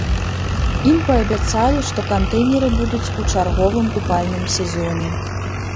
Ім паабяцалі, што кантэйнеры будуць у чарговым купальным сезоне.